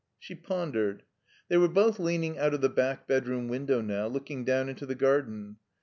She pondered. They were both leaning out of the back bedroom window now, looking down into the garden.